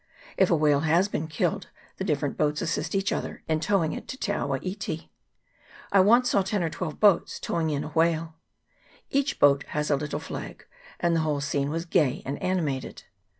If a whale has been killed, the different boats assist each other in towing it to Te awa iti. I once saw ten or twelve boats towing in a whale. Each boat had a little flag, and the whole scene was gay and animated.